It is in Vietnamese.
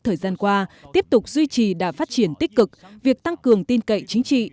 thời gian qua tiếp tục duy trì đà phát triển tích cực việc tăng cường tin cậy chính trị